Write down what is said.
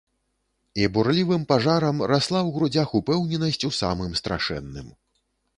І бурлівым пажарам расла ў грудзях упэўненасць у самым страшэнным.